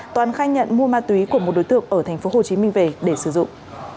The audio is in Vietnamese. toàn khai nhận mua ma túy của một đối tượng ở thành phố hồ chí minh về để sử dụng